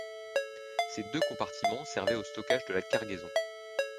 Ces deux compartiments servaient au stockage de la cargaison.